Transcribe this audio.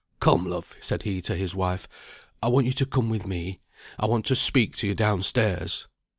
"Come, love," said he to his wife. "I want you to come with me. I want to speak to you down stairs."